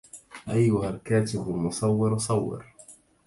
أيها الكاتب المصور صور